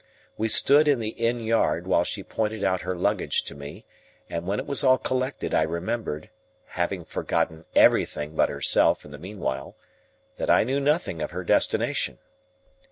We stood in the Inn Yard while she pointed out her luggage to me, and when it was all collected I remembered—having forgotten everything but herself in the meanwhile—that I knew nothing of her destination.